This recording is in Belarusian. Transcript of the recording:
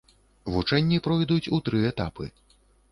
Вучэнні пройдуць у тры этапы.